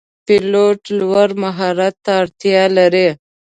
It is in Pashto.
پیلوټ لوړ مهارت ته اړتیا لري.